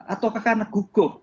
ataukah karena gugup